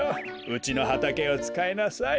うちのはたけをつかいなさい。